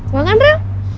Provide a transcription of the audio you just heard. mau gak nrel